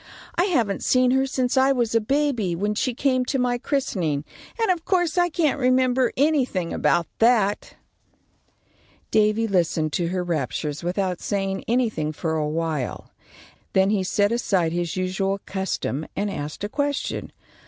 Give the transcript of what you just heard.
I haven't seen her since I was a baby, when she came to my christening, and of course I can't remember anything about that." Davy listened to her raptures without saying anything for awhile. Then he set aside his usual custom and asked a question.